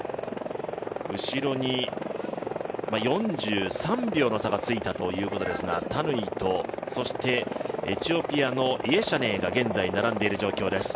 後ろに４３秒の差がついたということですがタヌイと、そしてエチオピアのイェシャネーが現在並んでいる状況です。